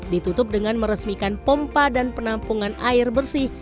ditutup dengan meresmikan pompa dan penampungan air bersih